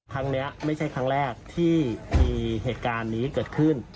ครั้งนี้ไม่ใช่ครั้งแรกที่มีเหตุการณ์นี้เกิดขึ้น